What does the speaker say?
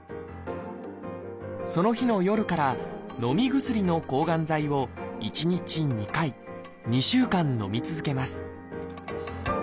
その日の夜からのみ薬の抗がん剤を１日２回２週間のみ続けます。